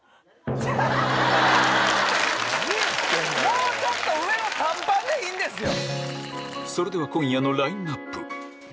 もうちょっと上の短パンでいいんですよ。